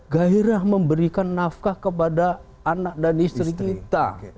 gairah memberikan nafkah kepada anak dan istri kita